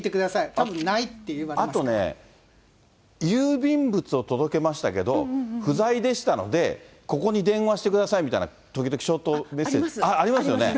たぶん、あとね、郵便物を届けましたけど、不在でしたので、ここに電話してくださいみたいな、時々ショートメッセージ、ありますよね。